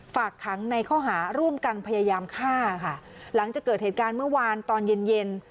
ฝากขังในข้อหาร่วมกันพยายามฆ่าค่ะหลังจากเกิดเหตุการณ์เมื่อวานตอนเย็นเย็น